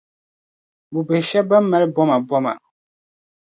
bubihi shɛba bɛn mali bomaboma.